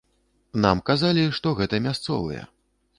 Нам казалі, што гэта мясцовыя.